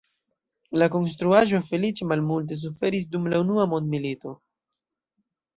La konstruaĵo feliĉe malmulte suferis dum la Unua Mondmilito.